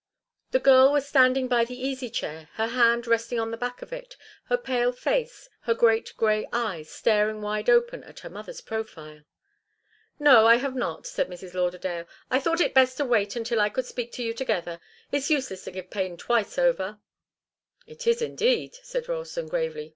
The girl was standing by the easy chair, her hand resting on the back of it, her face pale, her great grey eyes staring wide open at her mother's profile. "No, I have not," said Mrs. Lauderdale. "I thought it best to wait until I could speak to you together. It's useless to give pain twice over." "It is indeed," said Ralston, gravely.